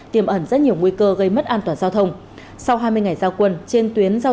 tiềm ẩn rất nhiều nguy cơ gây mất an toàn giao thông sau hai mươi ngày giao quân trên tuyến giao